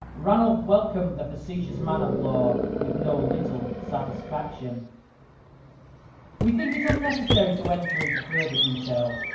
Ranulph welcomed the facetious man of law with no little satisfaction. We think it unnecessary to enter into further detail.